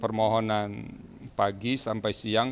permohonan pagi sampai siang